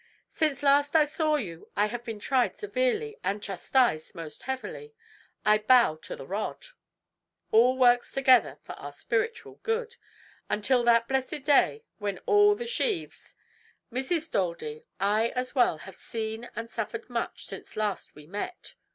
"Since last I saw you, I have been tried severely and chastised most heavily. I bow to the rod. All works together for our spiritual good. Until that blessed day, when all the sheaves " "Mrs. Daldy, I as well have seen and suffered much since last we met.